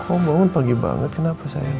oh bangun pagi banget kenapa sayang